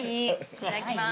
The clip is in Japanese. いただきます。